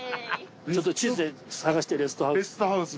ちょっと地図で探してレストハウス。